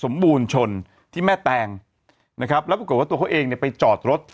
สมบูรณ์ชนที่แม่แตงนะครับแล้วบอกว่าตัวเขาเองไปจอดรถ